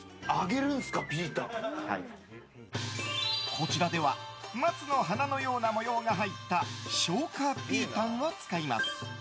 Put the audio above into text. こちらでは松の花のような模様が入った松花ピータンを使います。